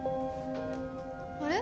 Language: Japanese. あれ？